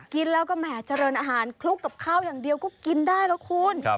กินแล้วก็แหมเจริญอาหารคลุกกับข้าวอย่างเดียวก็กินได้แล้วคุณ